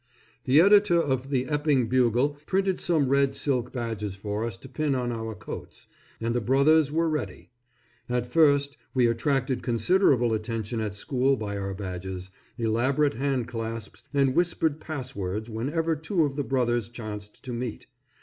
The editor of the Epping Bugle printed some red silk badges for us to pin on our coats, and the Brothers were ready. At first, we attracted considerable attention at school by our badges, elaborate handclasps, and whispered passwords whenever two of the Brothers chanced to meet.